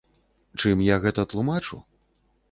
Чым я гэта тлумачу?